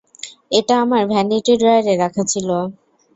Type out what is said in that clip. এটা আমার ভ্যানিটি ড্রয়ারে রাখা ছিল।